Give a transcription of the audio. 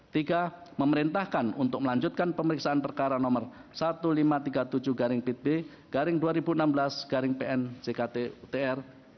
tiga memerintahkan untuk melanjutkan pemeriksaan perkara nomor seribu lima ratus tiga puluh tujuh dua ribu enam belas garing pn jktutr